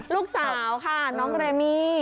ลูกสาวค่ะน้องเรมี่